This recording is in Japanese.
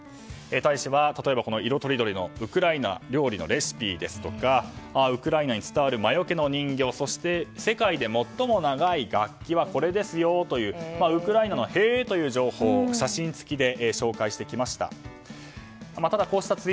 大使は、例えば色とりどりのウクライナ料理のレシピやウクライナに伝わる魔よけの人形そして、世界で最も長い楽器はこれですよというウクライナのへー！という情報を写真付きで紹介してきました。